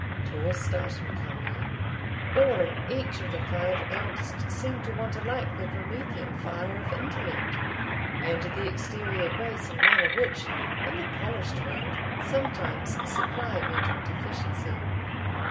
Tall, stout, and comely, all and each of the five eldest seemed to want alike the Promethean fire of intellect, and the exterior grace and manner, which, in the polished world, sometimes supply mental deficiency.